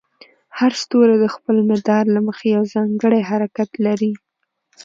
هر ستوری د خپل مدار له مخې یو ځانګړی حرکت لري.